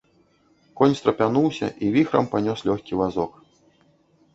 Конь страпянуўся і віхрам панёс лёгкі вазок.